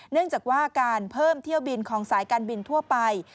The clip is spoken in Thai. เนื่องจากว่าการเพิ่มเที่ยวบินของสายการบินทั่วไป